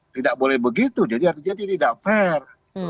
tidak boleh begitu jadi artinya dia tidak fair